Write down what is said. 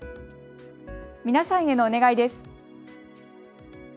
皆さんへのお願いです。